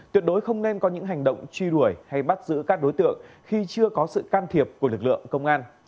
tuyệt đối không nên có những hành động truy đuổi hay bắt giữ các đối tượng khi chưa có sự can thiệp của lực lượng công an